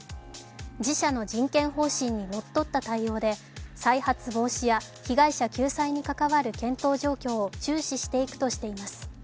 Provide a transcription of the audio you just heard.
自社の人権方針にのっとった対応で再発防止や被害者救済に関わる検討状況を注視していくとしています。